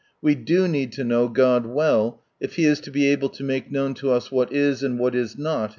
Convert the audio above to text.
We do need to know God well, if He is to be able to make known to us what is, and what is not.